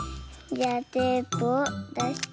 じゃあテープをだして。